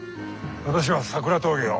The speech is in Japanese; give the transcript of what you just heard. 私は桜峠を。